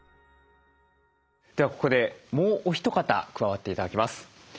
ではここでもうお一方加わって頂きます。